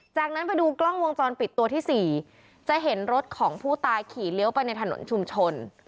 จากนั้นไปดูกล้องวงจรปิดตัวที่๔จะเห็นรถของผู้ตายขี่เลี้ยวไปในถนนชุมชน